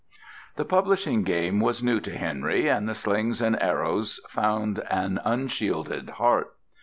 The publishing game was new to Henry, and the slings and arrows found an unshielded heart.